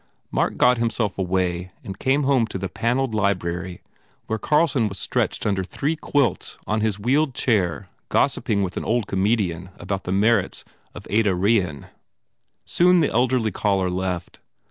Mark got himself away and came home to the panelled library where Carlson was stretched un der three quilts on his wheeled chair gossiping with an old comedian about the merits of Ada Re han. Soon the elderly caller left.